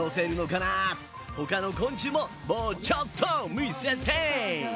ほかの昆虫ももうちょっと見せて！